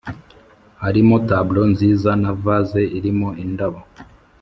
harimo tableau nziza na Vase irimo indabo